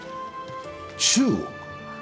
中国。